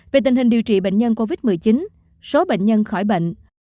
về tình hình điều trị bệnh nhân covid một mươi chín số bệnh nhân khỏi bệnh